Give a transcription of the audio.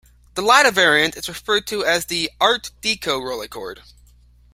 The latter variant is referred to as the "Art Deco" Rolleicord.